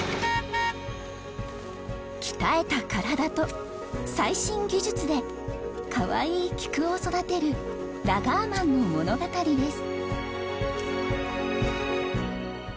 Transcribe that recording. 鍛えた体と最新技術でかわいいキクを育てるラガーマンの物語です。